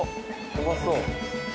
うまそう。